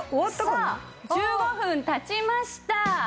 さあ１５分経ちました。